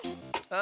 あ